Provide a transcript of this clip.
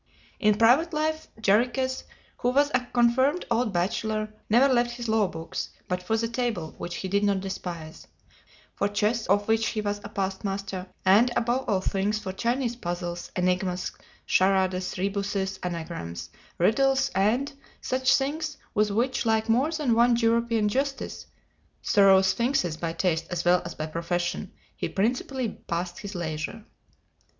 In private life, Jarriquez, who was a confirmed old bachelor, never left his law books but for the table which he did not despise; for chess, of which he was a past master; and above all things for Chinese puzzles, enigmas, charades, rebuses, anagrams, riddles, and such things, with which, like more than one European justice thorough sphinxes by taste as well as by profession he principally passed his leisure.